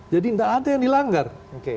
jadi tidak ada yang berkaitan dengan itu